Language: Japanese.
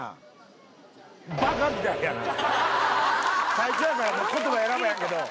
隊長やから言葉選ばへんけど。